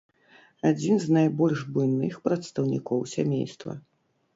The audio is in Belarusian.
Адзін з найбольш буйных прадстаўнікоў сямейства.